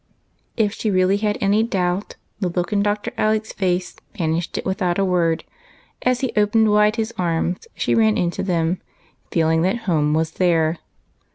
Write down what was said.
If she really had any doubt, the look in Dr. Alec's face banished it without a word, as he opened wide his arms, and she ran into them, feeling that home was there.